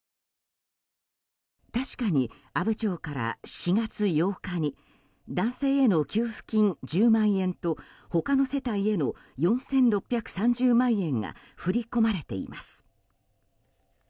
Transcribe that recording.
確かに阿武町から４月８日に男性への給付金１０万円と他の世帯への４６３０万円が振り込まれています。